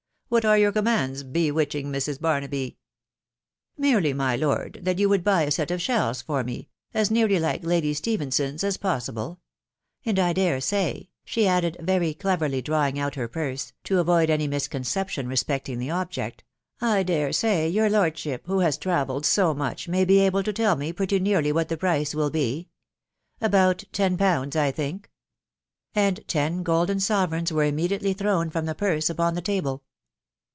What ate your commands, bewitching Mrs. Barnaby?'' Ck Merely, my lord, that you would buy a set of shells lor me — as nearly Hke lady Stephenson's as possible ; and I dare say/9 she added, very cleverly drawing out her purse, to a*otf S53 THE WIDOW BJUUfABY any misconception respecting the object, —I dare Myysjt Ilj lordship, who has travelled so much, may be able to teAat 1][ pretty nearly what the price will be. ..• About ten poanikj 1 \\ think." '■ And ten golden sovereigns were immediately thrown tm the purse upon the table.